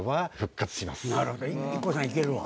なるほどＩＫＫＯさんいけるわ。